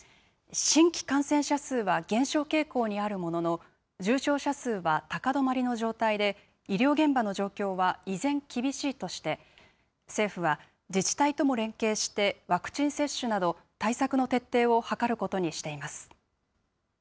新規感染者数は減少傾向にあるものの、重症者数は高止まりの状態で、医療現場の状況は依然、厳しいとして、政府は自治体とも連携して、ワクチン接種など対策の徹底を図ることにしています。